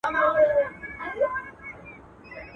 د ښايسته ساقي په لاس به جام گلنار وو.